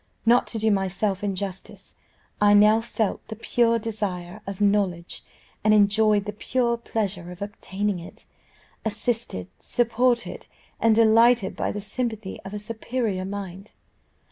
Not to do myself injustice, I now felt the pure desire of knowledge, and enjoyed the pure pleasure of obtaining it; assisted, supported, and delighted, by the sympathy of a superior mind.